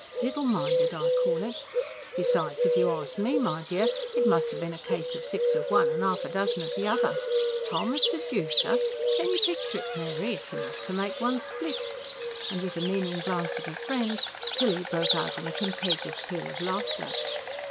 Littleminded I call it. Besides, if you ask me, my dear, it must have been a case of six of one and half a dozen of the other. Tom as sedoocer! can you picture it, Mary? It's enough to make one split." And with a meaning glance at her friend, Tilly broke out in a contagious peal of laughter.